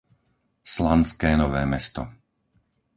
Slanské Nové Mesto